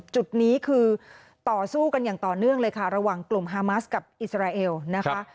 จุดนี้คือต่อสู้กันอย่างต่อเนื่องเลยค่ะระหว่างกลุ่มฮามัสกับอิสราเอลนะคะ